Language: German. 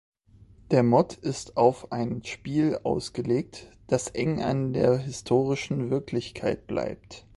Der Mod ist auf ein Spiel ausgelegt, das eng an der historischen Wirklichkeit bleibt.